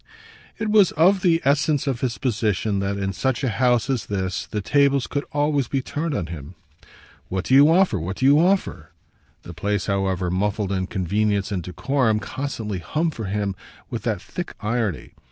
It was of the essence of his position that in such a house as this the tables could always be turned on him. "What do you offer, what do you offer?" the place, however muffled in convenience and decorum, constantly hummed for him with that thick irony.